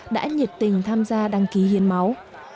đã nhiệt tình tham gia đăng ký hiến máu